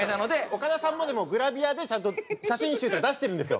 岡田さんもでもグラビアでちゃんと写真集とか出してるんですよ。